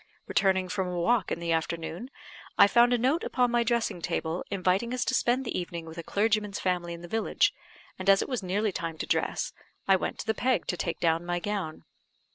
Returning from a walk in the afternoon, I found a note upon my dressing table, inviting us to spend the evening with a clergyman's family in the village; and as it was nearly time to dress, I went to the peg to take down my gown.